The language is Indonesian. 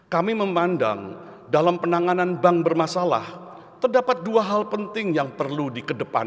kami memandang dalam penanganan bank bermasalah terdapat dua hal penting yang perlu dikedepankan